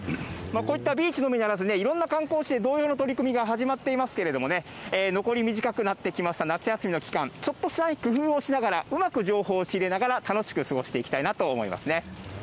こういったビーチのみならず、いろんな観光施設で同様の取り組みが始まっていますけれどもね、残り短くなってきました夏休みの期間、ちょっとした工夫をしながら、うまく情報を仕入れながら、楽しく過ごしていきたいなと思います